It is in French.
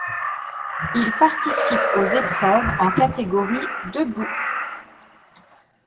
Il participe aux épreuves en catégorie debout.